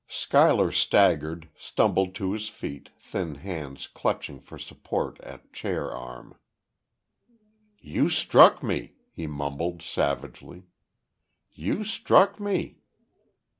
Schuyler staggered, stumbled to his feet, thin hands clutching for support at chair arm. "You struck me!" he mumbled, savagely. "You struck me.